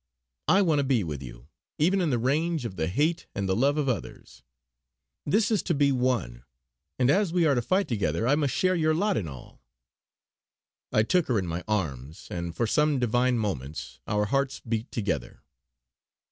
I want to be with you, even in the range of the hate and the love of others. That is to be one; and as we are to fight together I must share your lot in all!" I took her in my arms, and for some divine moments, our hearts beat together.